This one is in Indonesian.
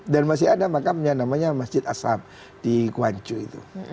dan masih ada makamnya namanya masjid ashab di guangzhou itu